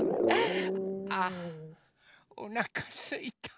あおなかすいた。